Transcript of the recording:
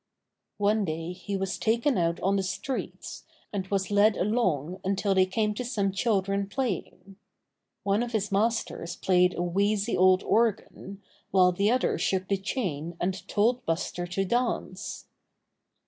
One day he was taken out on the streets, and was led along until they came to some children playing. One of his masters played a wheezy old organ, while the other shook the chain and told Buster to dance.